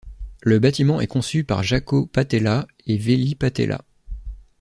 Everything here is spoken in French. Le bâtiment est conçu par Jaakko Paatela et Veli Paatela.